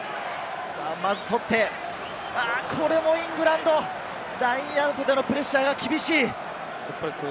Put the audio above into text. まず取って、これもイングランド！ラインアウトでのプレッシャーが厳しい。